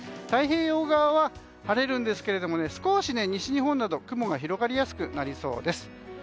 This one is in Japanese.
太平洋側は晴れるんですが少し西日本など雲が広がりやすくなりそうです。